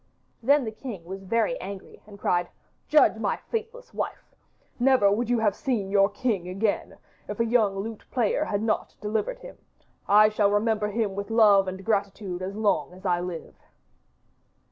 Then the king was very angry and cried, 'Judge my faithless wife! Never would you have seen your king again, if a young lute player had not delivered him. I shall remember him with love and gratitude as long as I live.